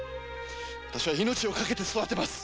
私は命を懸けて育てます！